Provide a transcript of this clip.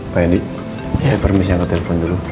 pak andy saya permisi angkat telepon dulu